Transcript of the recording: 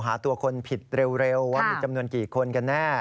หาตัวคนผิดเร็วว่ามีจำนวนกี่คนกันแน่